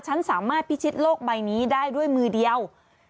ฉันสามารถพิชิตโลกใบนี้ได้ด้วยมือเดียว